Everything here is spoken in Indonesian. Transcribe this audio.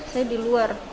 saya di luar